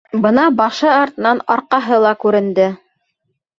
Бына башы артынан арҡаһы ла күренде.